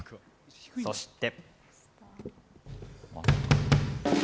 そして。